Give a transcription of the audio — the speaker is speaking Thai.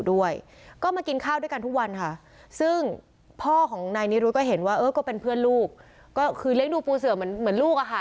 ว่าเอ้อก็เป็นเพื่อนลูกก็คือเล่นดูปูเสือเหมือนเหมือนลูกอ่ะค่ะ